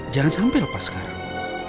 jangan sampai lepas sekarang